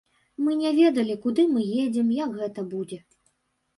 Мы не ведалі, куды мы едзем, як гэта будзе.